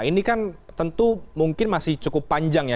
ini kan tentu mungkin masih cukup panjang ya